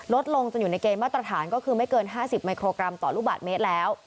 ลดลงจนอยู่ในเกณฑ์มาตรฐานก็คือไม่เกิน๕๐มิโครกรัมต่อลูกบาทเมตรแล้ว